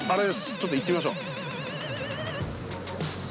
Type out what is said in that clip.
ちょっと行ってみましょう